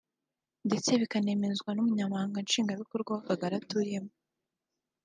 ndetse bikanemezwa n’Umunyamabanga Nshingwabikorwa w’Akagari atuyemo